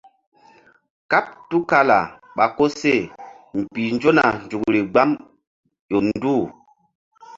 Kàɓ tul kala ɓa koseh mbih nzona nzukri gbam ƴo nduh.